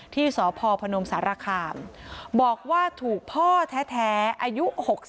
ที่สพพนมสารคามบอกว่าถูกพ่อแท้อายุ๖๒